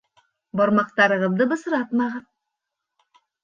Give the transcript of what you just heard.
Бармаҡтарығыҙҙы бысратмағыҙ.